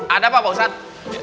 ada pak pak ustadz